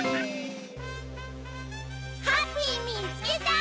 ハッピーみつけた！